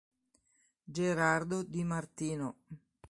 Gerardo Di Martino